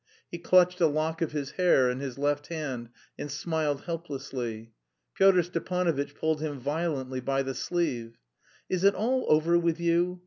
He clutched a lock of his hair in his left hand and smiled helplessly. Pyotr Stepanovitch pulled him violently by the sleeve. "Is it all over with you?